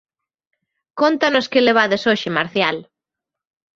Cóntanos que levades hoxe, Marcial.